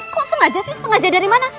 kok sengaja sih sengaja dari mana